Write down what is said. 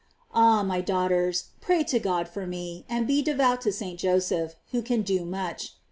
Ah, my daughters, pray to God for me, and be devout to S. Joseph, who can do much.